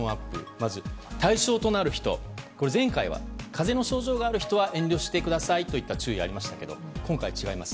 まず、対象となるのは前回は風邪の症状がある人は遠慮してくださいという注意がありましたけど今回は違います。